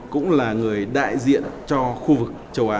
cũng là người đại diện cho khu vực châu á